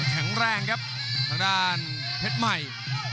แข็งแรงครับทางด้านเพชรใหม่